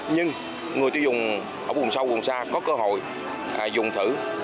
nhưng người tiêu dùng ở vùng sâu vùng xa có cơ hội dùng thử